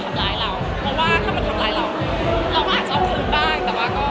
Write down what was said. เขาอยากควรครับการทำเองส่วนตัวบ้าง